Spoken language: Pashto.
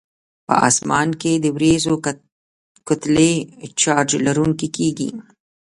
په اسمان کې د وریځو کتلې چارج لرونکي کیږي.